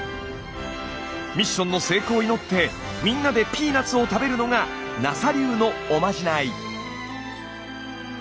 ミッションの成功を祈ってみんなでピーナツを食べるのがＮＡＳＡ流のおまじない。